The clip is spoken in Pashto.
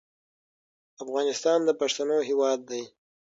افغانستان د پښتنو هېواد دی.